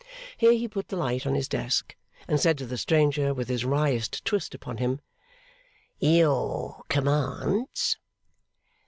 Here he put the light on his desk, and said to the stranger, with his wryest twist upon him, 'Your commands.